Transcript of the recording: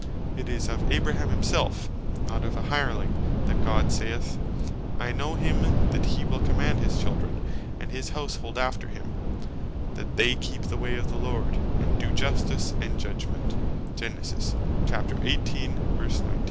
It is of Abraham himself, not of a hireling, that God saith (Gen. 18.19) "I know him that he will command his Children, and his houshold after him, that they keep the way of the Lord, and do justice and judgement.